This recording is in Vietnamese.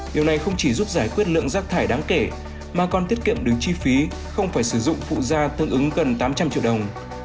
điều này không chỉ giúp giải quyết lượng rác thải đáng kể mà còn tiết kiệm được chi phí không phải sử dụng phụ da tương ứng gần tám trăm linh triệu đồng